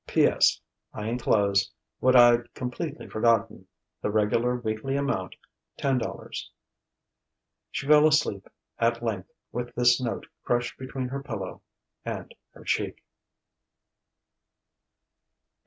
"P. S. I enclose what I'd completely forgotten the regular weekly amount $10." She fell asleep, at length, with this note crushed between her pillow and her cheek.